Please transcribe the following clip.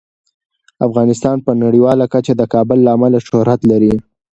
افغانستان په نړیواله کچه د کابل له امله شهرت لري.